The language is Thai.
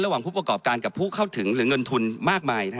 ผู้ประกอบการกับผู้เข้าถึงหรือเงินทุนมากมาย